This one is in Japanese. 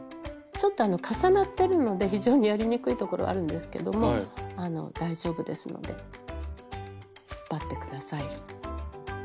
ちょっと重なってるので非常にやりにくいところあるんですけども大丈夫ですので引っ張って下さい。